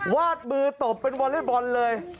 วาดมือตบเป็นวอเล็กบอลเลย